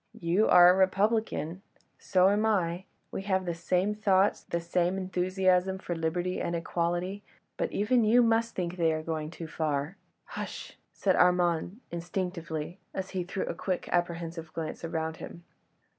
"You are a republican, so am I ... we have the same thoughts, the same enthusiasm for liberty and equality ... but even you must think that they are going too far ..." "Hush!—" said Armand, instinctively, as he threw a quick, apprehensive glance around him.